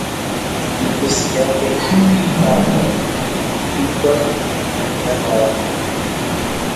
Mtu si yake ifadi, kuitwa nyama wa mwitu